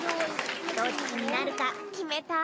どっちになるかきめた？